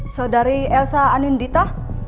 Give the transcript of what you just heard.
saudari elsa anindita